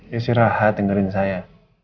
ya si rahat dengerin saya